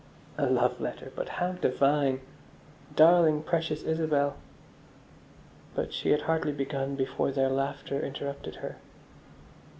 "A love letter! But how divine!" Darling, precious Isabel. But she had hardly begun before their laughter interrupted her.